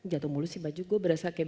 jatuh mulu sih baju gue berasa kayak